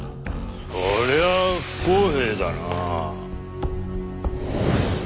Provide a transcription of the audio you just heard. そりゃ不公平だな。